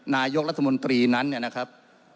นายกรัฐมนตรีนั้นเนี่ยนะครับ